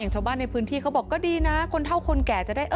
อย่างชาวบ้านแรกปื้นที่ต้องได้โชว์